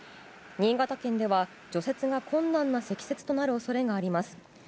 新潟県では除雪が困難な積雪となる恐れがあります。